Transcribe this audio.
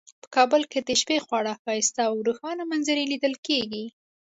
په کابل کې د شپې خورا ښایسته او روښانه منظرې لیدل کیږي